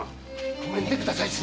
止めんでください！